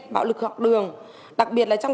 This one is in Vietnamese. bạo lực học đường đặc biệt là trong